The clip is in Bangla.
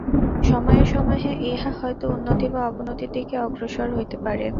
সময়ে সময়ে ইহা হয়তো উন্নতি বা অবনতির দিকে অগ্রসর হইতে পারে।